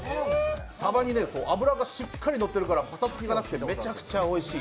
さばに脂がしっかりのってるからパサつきがなくておいしい。